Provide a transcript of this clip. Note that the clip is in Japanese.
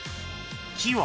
［木は］